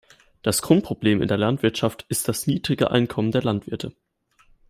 Das Grundproblem in der Landwirtschaft ist das niedrige Einkommen der Landwirte.